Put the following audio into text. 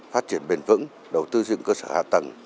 phát triển bền vững đầu tư dựng cơ sở hạ tầng